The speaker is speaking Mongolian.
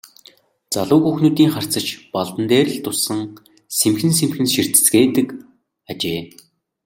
Залуу хүүхнүүдийн харц ч Балдан дээр л тусан сэмхэн сэмхэн ширтэцгээдэг ажээ.